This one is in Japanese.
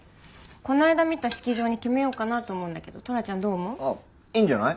この間見た式場に決めようかなと思うんだけどトラちゃんどう思う？ああいいんじゃない？